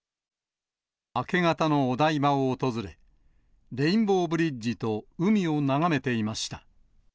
明け方のお台場を訪れ、レインボーブリッジと海を眺めていました。